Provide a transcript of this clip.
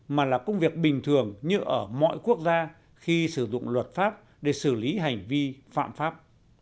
mà là công việc bình thường như ở mọi quốc gia khi sử dụng luật pháp để xử lý hành vi phạm pháp